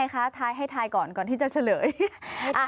ขอถ่ายภาพแก้เครียด